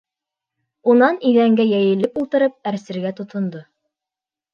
Унан иҙәнгә йәйелеп ултырып әрсергә тотондо.